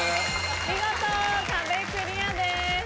見事壁クリアです。